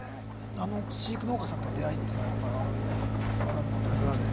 あの飼育農家さんとの出会いってのはやっぱ学ぶことありました？